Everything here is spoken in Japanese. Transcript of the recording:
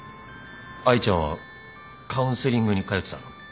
愛ちゃんはカウンセリングに通ってたの？